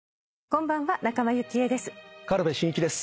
こんばんは仲間由紀恵です。